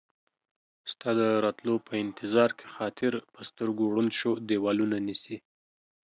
ستا د راتلو په انتظار کې خاطر ، په سترګو ړوند شو ديوالونه نيسي